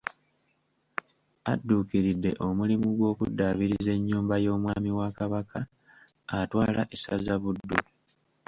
Adduukiridde omulimu gw’okuddaabiriza ennyumba y’omwami wa Kabaka atwala essaza Buddu